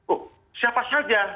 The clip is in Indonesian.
oh siapa saja